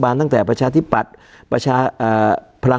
การแสดงความคิดเห็น